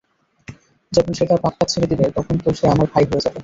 যখন সে তার পাপ কাজ ছেড়ে দিবে তখনতো সে আমার ভাই হয়ে যাবে।